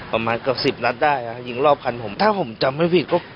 ประมาณเกือบสิบนัดได้ยิงรอบคันผมถ้าผมจำไม่ผิดก็